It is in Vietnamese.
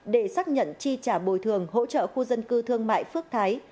để xác nhận chi trả bồi thường hỗ trợ khu dân cư thương mại phước thái